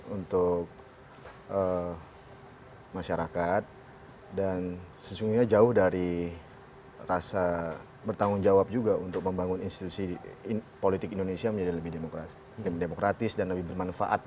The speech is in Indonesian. untuk masyarakat dan sesungguhnya jauh dari rasa bertanggung jawab juga untuk membangun institusi politik indonesia menjadi lebih demokratis dan lebih bermanfaat